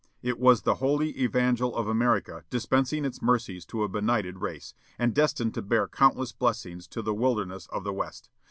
It was the holy evangel of America dispensing its mercies to a benighted race, and destined to bear countless blessings to the wilderness of the West.